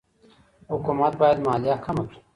حکومت باید مالیه کمه کړي.